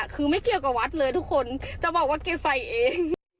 คือไม่เกี่ยวกับวัดเลยทุกคนจะบอกว่าแกใส่เอง